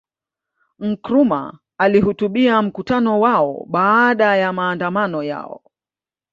Nkrumah alihutubia mkutano wao baada ya maandamano yao